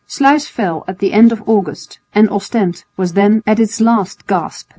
Sluis fell at the end of August, and Ostend was then at its last gasp.